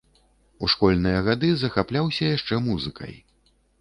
У школьныя гады захапляўся яшчэ музыкай.